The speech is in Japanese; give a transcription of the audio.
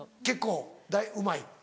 結構うまい？